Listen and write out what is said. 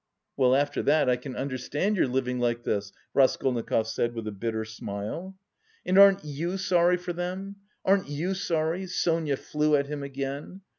"Well, after that I can understand your living like this," Raskolnikov said with a bitter smile. "And aren't you sorry for them? Aren't you sorry?" Sonia flew at him again.